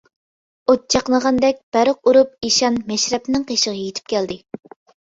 ئوت چاقنىغاندەك بەرق ئۇرۇپ ئىشان مەشرەپنىڭ قېشىغا يېتىپ كەلدى.